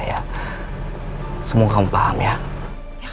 dan sekarang mereka tuh als residential